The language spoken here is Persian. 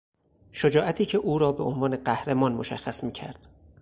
شجاعتی که او را به عنوان قهرمان مشخص میکرد